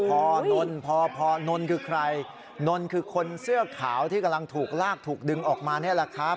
พอนนพอพอนนคือใครนนคือคนเสื้อขาวที่กำลังถูกลากถูกดึงออกมานี่แหละครับ